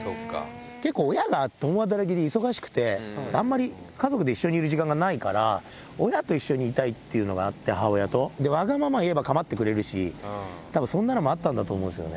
結構親が共働きで忙しくて、あんまり家族で一緒にいる時間がないから、親と一緒にいたいっていうのがあって、母親と、わがまま言えば構ってくれるし、たぶんそんなのもあったんだと思うんですよね。